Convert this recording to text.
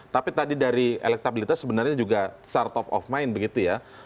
tapi tadi dari elektabilitas sebenarnya juga start of mind begitu ya